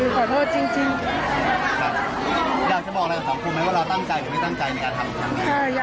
ก็ขอโทษทุกคนด้วย